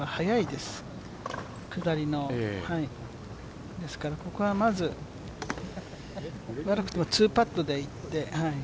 ですから、ここはまず悪くても２パットでいって。